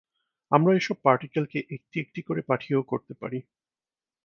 আমরা এইসব পার্টিকেলকে একটি একটি করে পাঠিয়েও করতে পারি।